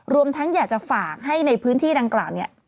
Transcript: รวมทั้งอยากจะฝากให้ในพื้นที่ดังกล่าวนี้